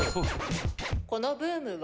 このブームは？